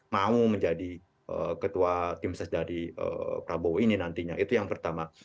mau menjadi ketua tim ses dari prabowo ini nantinya itu yang pertama